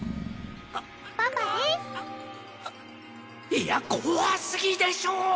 いや怖すぎでしょ